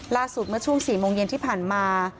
ล่าสุดเมื่อช่วง๑๖นที่ผ่านมา